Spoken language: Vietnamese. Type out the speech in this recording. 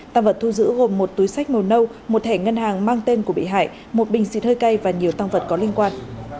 tăng vật thu giữ gồm một túi sách màu nâu một thẻ ngân hàng mang tên của bị hại một bình xịt hơi cay và nhiều tăng vật có liên quan